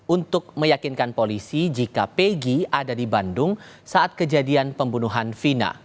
untuk meyakinkan polisi jika pegi ada di bandung saat kejadian pembunuhan vina